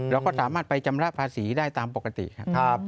เราก็สามารถไปชำระภาษีได้ตามปกติครับ